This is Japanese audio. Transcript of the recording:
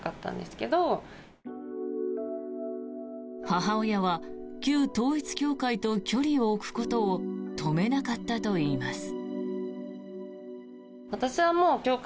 母親は旧統一教会と距離を置くことを止めなかったといいます。